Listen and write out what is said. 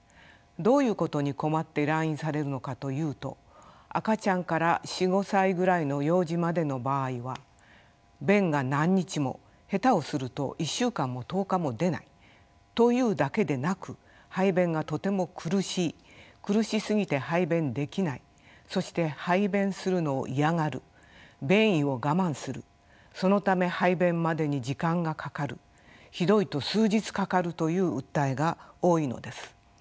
どういうことに困って来院されるのかというと赤ちゃんから４５歳ぐらいの幼児までの場合は便が何日も下手をすると１週間も１０日も出ないというだけでなく排便がとても苦しい苦しすぎて排便できないそして排便するのを嫌がる便意を我慢するそのため排便までに時間がかかるひどいと数日かかるという訴えが多いのです。